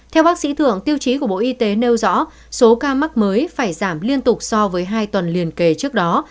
theo bác sĩ thưởng tiêu chí của bộ y tế nêu rõ số ca mắc mới phải giảm liên tục so với hai tuần liền kề trước đó